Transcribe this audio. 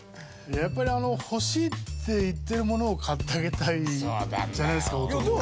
やっぱり欲しいって言ってるものを買ってあげたいじゃないですか男は。